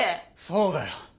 そうだよ